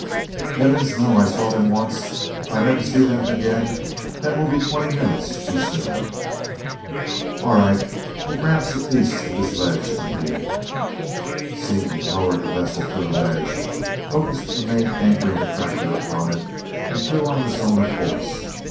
"Heavens, no! I saw them once if I never see them again, that will be twenty minutes too soon!" "All right we'll grab us a piece of this ledge and beat it." Seaton lowered the vessel to the ledge, focussed the main anchoring attractor upon it, and threw on the zone of force.